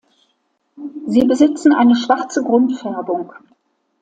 Sie besitzen eine schwarze Grundfärbung.